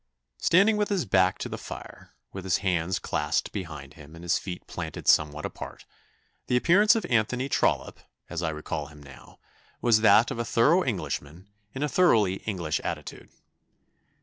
] "Standing with his back to the fire, with his hands clasped behind him and his feet planted somewhat apart, the appearance of Anthony Trollope, as I recall him now, was that of a thorough Englishman in a thoroughly English attitude.